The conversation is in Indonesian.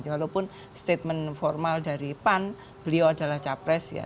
walaupun statement formal dari pan beliau adalah capres ya